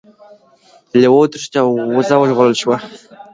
لیوه وتښتید او وزه وژغورل شوه.